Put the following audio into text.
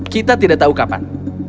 kita tidak tahu kapan